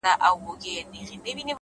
هوښیار انسان د خبرو وخت پېژني’